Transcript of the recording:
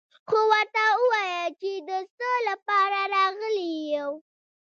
خو ورته ووايه چې د څه له پاره راغلي يو.